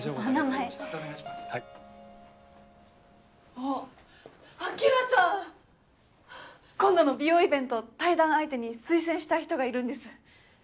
あっアキラさん！今度の美容イベント対談相手に推薦したい人がいるんです。